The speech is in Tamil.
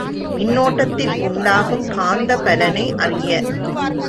மின்னோட்டத்தில் உண்டாகும் காந்த பலனை அறிய.